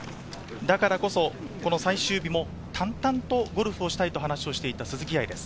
だからこそ最終日も淡々とゴルフをしたいと話していた鈴木愛。